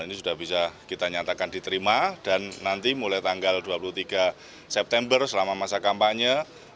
ini sudah bisa kita nyatakan diterima dan nanti mulai tanggal dua puluh tiga september selama masa kampanye